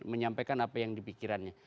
menyampaikan apa yang di pikirannya